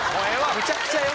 めちゃくちゃよ！